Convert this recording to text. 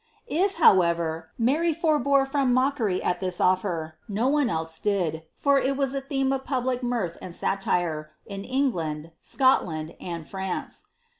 Uf however, Mary forbore from mockery at this offer, no one else did, far it was a theme of public mirth and satire, in England, Scotland, and Fianee.